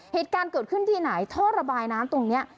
เหตุการณ์เกิดขึ้นที่ไหนท่อระบายน้ำตรงนี้